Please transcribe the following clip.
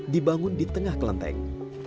dibangun di tengah klenteng